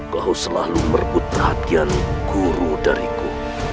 kau selalu merebut perhatian guru dariku